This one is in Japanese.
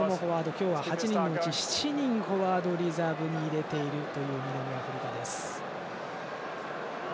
今日は８人のうち、７人フォワード、リザーブに入れているという南アフリカ。